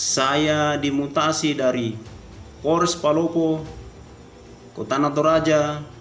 saya dimutasi dari kapolres palopo ke tanatoraja